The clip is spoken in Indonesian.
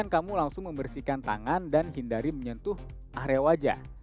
kamu langsung membersihkan tangan dan hindari menyentuh area wajah